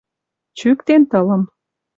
Чӱктен тылым